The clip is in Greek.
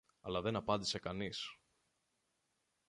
αλλά δεν απάντησε κανείς